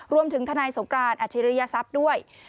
รวมถึงทนายสงกราศอัจฉริยทรัพย์ด้วย